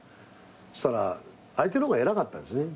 そしたら相手の方が偉かったんですね。